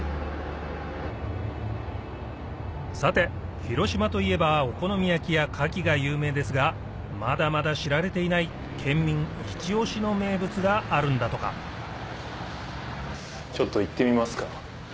さて広島といえばお好み焼きやかきが有名ですがまだまだ知られていない県民イチ押しの名物があるんだとかちょっと行ってみますか。